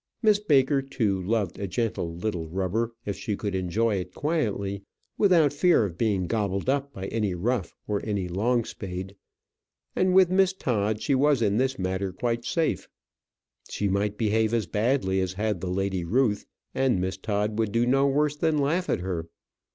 Miss Baker, too, loved a gentle little rubber, if she could enjoy it quietly, without fear of being gobbled up by any Ruff or any Longspade; and with Miss Todd she was in this matter quite safe. She might behave as badly as had the Lady Ruth, and Miss Todd would do no worse than laugh at her.